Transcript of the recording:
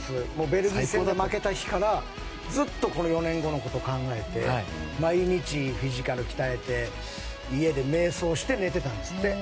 ベルギー戦で負けた日からずっと４年後のことを考えて毎日、フィジカルを鍛えて家で瞑想して寝てたんですって。